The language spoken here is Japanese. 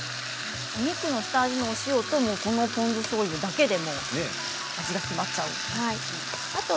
肉の下味の塩とこのポン酢しょうゆで味が決まっちゃうと。